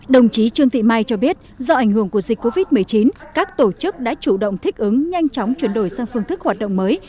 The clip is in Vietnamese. đồng chí trương thị mai cho biết do ảnh hưởng của dịch covid một mươi chín các tổ chức đã chủ động thích ứng nhanh chóng chuyển đổi sang phương thức hoạt động mới